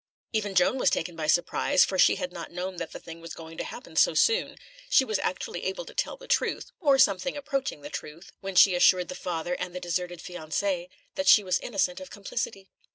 Even Joan was taken by surprise, for she had not known that the thing was going to happen so soon. She was actually able to tell the truth or something approaching the truth when she assured the father and the deserted fiancé that she was innocent of complicity.